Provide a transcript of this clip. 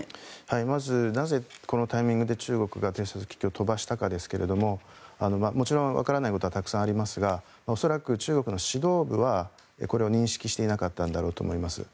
まずなぜこのタイミングで中国が偵察気球を飛ばしたかですがもちろんわからないことはたくさんありますが恐らく、中国の指導部はこれを認識していなかったんだろうと思います。